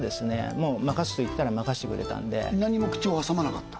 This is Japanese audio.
もう任すといったら任せてくれたんで何も口を挟まなかった？